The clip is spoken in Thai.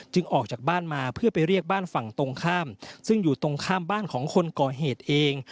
ออกจากบ้านมาเพื่อไปเรียกบ้านฝั่งตรงข้ามซึ่งอยู่ตรงข้ามบ้านของคนก่อเหตุเอง